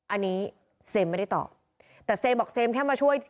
อันนี้เซมไม่ได้ตอบแต่เซมบอกเซมแค่มาช่วย